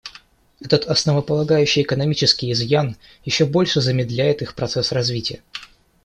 Этот основополагающий экономический изъян еще больше замедляет их процесс развития.